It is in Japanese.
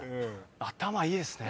頭いいですね。